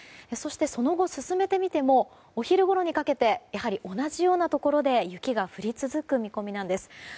そしてその後、進めてみてもお昼ごろにかけてやはり同じようなところで雪が降り続く見込みなんです。